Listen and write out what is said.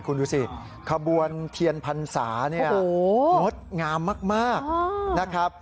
คุณดูสิขบวนเทียนพรรษาเนี่ยงดงามมากนะครับ